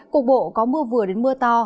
cục bộ có mưa vừa đến mưa to